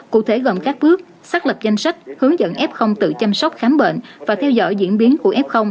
cụ thể gồm các bước xác lập danh sách hướng dẫn f tự chăm sóc khám bệnh và theo dõi diễn biến của f